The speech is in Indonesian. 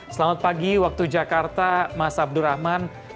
selamat pagi waktu jakarta mas abdurrahman